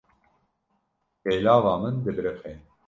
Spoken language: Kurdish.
Pêlava min dibiriqe.